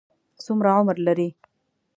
څومره عمر لري؟